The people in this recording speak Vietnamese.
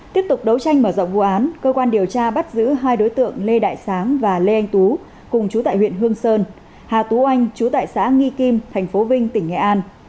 tiếp tục đấu tranh mở rộng vụ án cơ quan điều tra bắt giữ hai đối tượng lê đại sáng và lê anh tú cùng chú tại huyện hương sơn hà tú anh chú tại xã nghi kim tp vinh tỉnh nghệ an